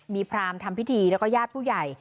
มีพรามทำพิธีแล้วก็ญาติผู้ใหญ่